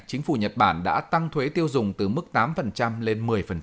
chính phủ nhật bản đã tăng thuế tiêu dùng từ mức tám lên một mươi